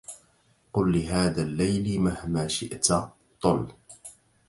قل لهذا الليل مهما شئت طل